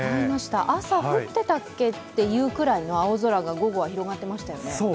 朝、降ってたっけ？というくらいの青空が午後は広がってましたよね。